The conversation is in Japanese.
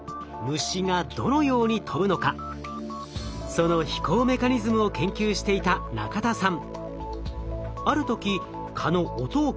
その飛行メカニズムを研究していた中田さん。